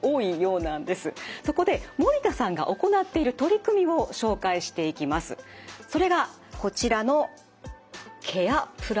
そこで守田さんが行っている取り組みを紹介していきます。